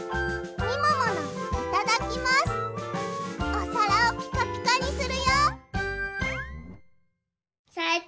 おさらをピカピカにするよ！